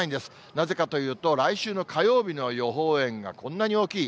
なぜかというと、来週の火曜日の予報円が、こんなに大きい。